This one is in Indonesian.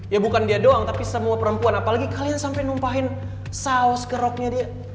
ya bukan dia doang tapi semua perempuan apalagi kalian sampai numpahin saus ke roknya dia